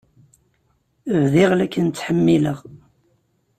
Bdiɣ la kem-ttḥemmileɣ.